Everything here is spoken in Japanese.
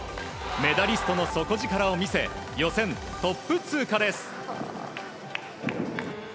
メダリストの底力を見せ予選トップ通過です。